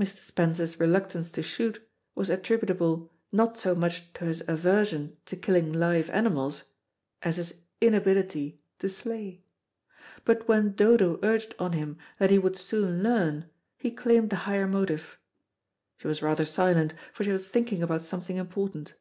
Mr. Spencer's reluctance to shoot was attributable not so much to his aversion to killing live animals, as his inability to slay. But when Dodo urged on him that he would soon learn, he claimed the higher motive. She was rather silent, for she was thinking about something important.